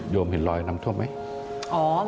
เห็นรอยน้ำท่วมไหม